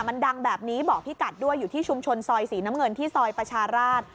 มันดังแบบนี้บอกพี่กัดด้วยอยู่ที่ชุมชนซอยสีน้ำเงินที่ซอยประชาราช